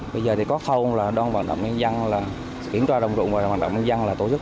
bây giờ thì có khâu là đoàn bảo đảm nhân dân là kiểm tra đồng rụng và đoàn bảo đảm nhân dân là tổ chức